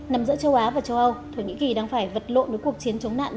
nằm giữa châu á và châu âu thổ nhĩ kỳ đang phải vật lộ nối cuộc chiến chống nạn